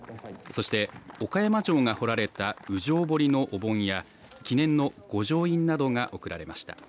そして、岡山城が彫られた烏城彫りのお盆や記念の御城印などが贈られました。